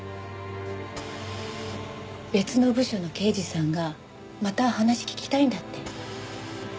別の部署の刑事さんがまた話聞きたいんだって。